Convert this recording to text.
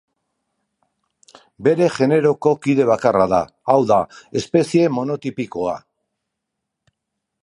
Bere generoko kide bakarra da, hau da, espezie monotipikoa.